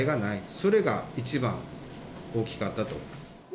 それが一番大きかったと。